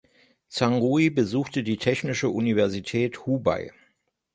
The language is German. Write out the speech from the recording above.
Zhang Rui besuchte die Technische Universität Hubei.